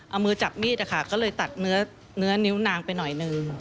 เอามือจับมีดนะคะก็เลยตัดเนื้อนิ้วนางไปหน่อยนึง